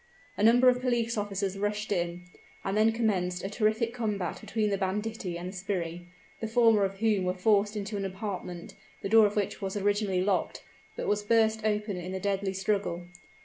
A number of police officers rushed in, and then commenced a terrific combat between the banditti and the sbirri, the former of whom were forced into an apartment, the door of which was originally locked, but was burst open in the deadly struggle.